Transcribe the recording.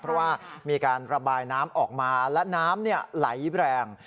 เพราะว่ามีการระบายน้ำออกมาและน้ำไหลแรง